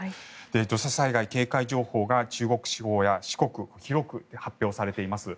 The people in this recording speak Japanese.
土砂災害警戒情報が中国地方や四国に広く発表されています。